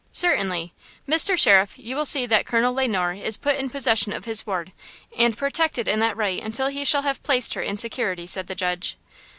"Certainly. Mr. Sheriff, you will see that Colonel Le Noir is put in possession of his ward, and protected in that right until he shall have placed her in security," said the judge.